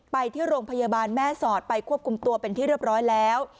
ไปที่โรงพยาบาลแม่สอดไปควบคุมตัวเป็นที่เรียบร้อยแล้ว